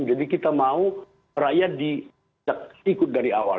jadi kita mau rakyat ikut dari awal